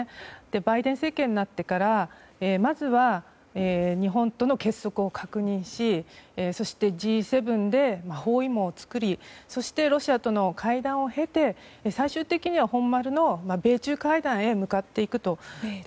バイデン政権になってからまずは日本との結束を確認しそしてＧ７で包囲網を作りロシアとの会談を経て最終的には本丸の米中会談へ向かっていくと。